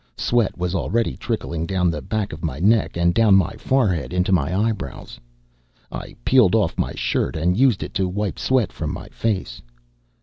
Sweat was already trickling down the back of my neck and down my forehead into my eyebrows. I peeled off my shirt and used it to wipe sweat from my face.